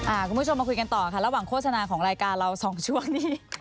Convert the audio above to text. คุณผู้ชมมาคุยกันต่อค่ะระหว่างโฆษณาของรายการเราสองช่วงนี้